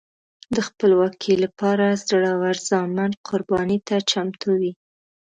د خپلواکۍ لپاره زړور زامن قربانۍ ته چمتو وي.